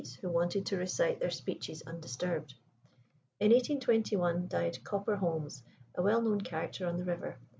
s who wanted to recite their speeches undisturbed. In 1821 died Copper Holms, a well known character on the river.